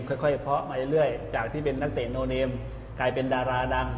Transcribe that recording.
ค่อยเพาะมาเรื่อยจากที่เป็นนักเตะโนเนมกลายเป็นดาราดัง